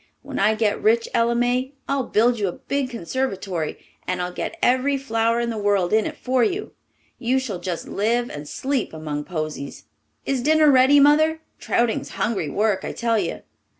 When I get rich, Ella May, I'll build you a big conservatory, and I'll get every flower in the world in it for you. You shall just live and sleep among posies. Is dinner ready, Mother? Trouting's hungry work, I tell you.